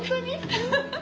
フフフ。